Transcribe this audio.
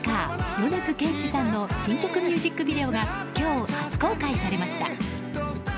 米津玄師さんの新曲ミュージックビデオが今日、初公開されました。